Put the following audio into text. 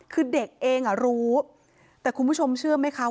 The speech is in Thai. คือเด็กเองอ่ะรู้แต่คุณผู้ชมเชื่อไหมคะ